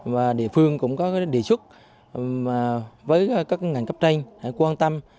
và địa phương cũng có cái đề xuất với các ngành cấp tranh quan tâm